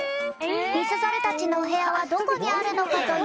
リスザルたちのおへやはどこにあるのかというと。